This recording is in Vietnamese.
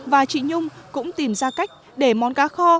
và chị nhung cũng tìm ra cách để món cá kho